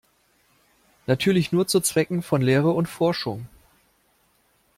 Natürlich nur zu Zwecken von Lehre und Forschung.